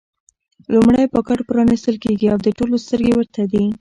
لومړی پاکټ پرانېستل کېږي او د ټولو سترګې ورته دي.